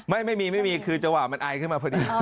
ไม่ไม่มีไม่มีคือจะว่ามันอายขึ้นมาพอดี